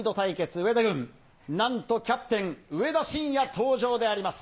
上田軍、なんとキャプテン、上田晋也登場であります。